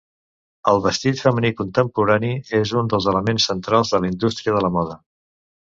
El vestit femení contemporani és un dels elements centrals de la indústria de la moda.